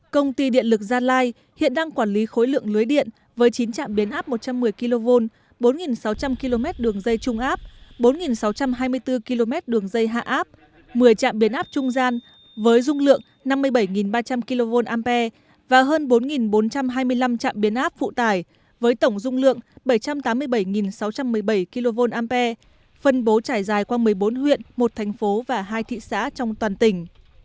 công ty điện lực gia lai hiện đang quản lý khối lượng lưới điện với chín trạm biến áp một trăm một mươi kv bốn sáu trăm linh km đường dây trung áp bốn sáu trăm hai mươi bốn km đường dây hạ áp một mươi trạm biến áp trung gian với dung lượng năm mươi bảy ba trăm linh kva và hơn bốn bốn trăm hai mươi năm trạm biến áp phụ tải với tổng dung lượng bảy trăm tám mươi bảy sáu trăm một mươi bảy kva phân bố trải dài qua một mươi bốn huyện một thành phố và hai thị xã trong toàn tỉnh